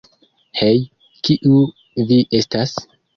Hej, kiu vi estas?